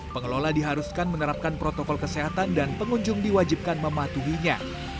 pengelola diharuskan menerapkan protokol kesehatan dan pengunjung diwajibkan mematuhinya